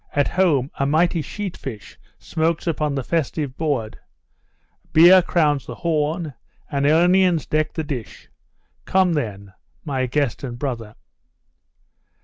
At home a mighty sheat fish smokes upon the festive board; beer crowns the horn, and onions deck the dish; come then, my guest and brother!